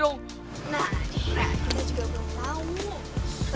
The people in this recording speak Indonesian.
lo tunggu aja